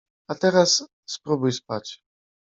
A teraz spróbuj spać!